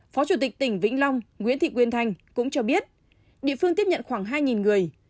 phó chủ tịch tỉnh vĩnh long nguyễn thị quyên thanh cũng cho biết địa phương tiếp nhận khoảng hai người